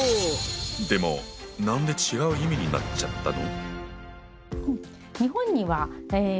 でもなんで違う意味になっちゃったの？